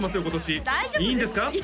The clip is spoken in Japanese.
今年いいんですか？